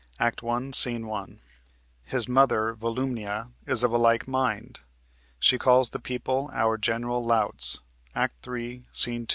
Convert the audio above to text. (Act 1, Sc. 1.) His mother, Volumnia, is of like mind. She calls the people "our general louts" (Act 3, Sc. 2).